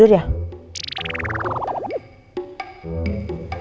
he must be bananas